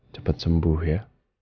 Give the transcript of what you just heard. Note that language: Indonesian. cepat sembuh ya